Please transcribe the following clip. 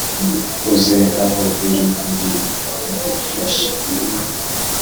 uze aho uri ndi ngufashe